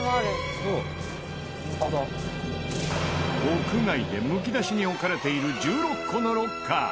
屋外でむき出しに置かれている１６個のロッカー。